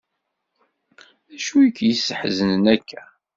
D acu i k-yesḥeznen akka?